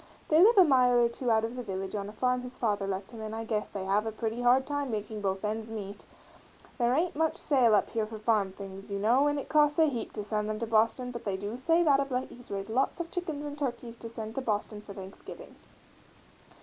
They live a mile or two out of the village on a farm his father left him and I guess they have pretty hard times making both ends meet there ain't much sale up here for farm things, you know, and it costs a heap to send them to Boston but they do say that of late he's raised lots of chickens and turkeys to send to Boston for Thanksgiving.